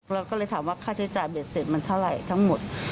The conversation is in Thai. เราก็เลยถามว่าค่าใช้จ่ายเบ็ดเสร็จมันเท่าไหร่ทั้งหมด